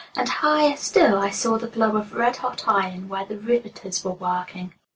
And higher still I saw the glow of red hot iron, where the riveters were working.